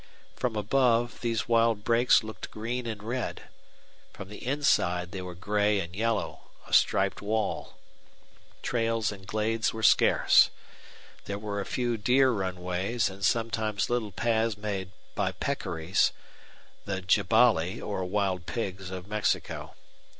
From above, these wild brakes looked green and red; from the inside they were gray and yellow a striped wall. Trails and glades were scarce. There were a few deer runways and sometimes little paths made by peccaries the jabali, or wild pigs, of Mexico.